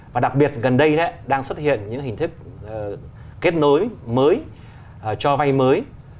và đặc biệt gần đây đang xuất hiện những hình thức kết nối mới cho vay mới